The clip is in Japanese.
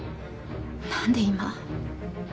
何で今。